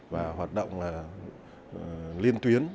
và hoạt động liên tuyến